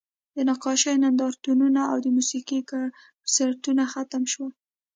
د نقاشۍ نندارتونونه او د موسیقۍ کنسرتونه ختم شول